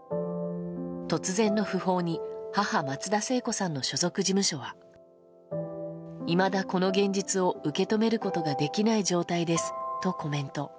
突然の訃報に母・松田聖子さんの所属事務所はいまだこの現実を受け止めることができない状態ですとコメント。